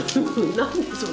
何でそう。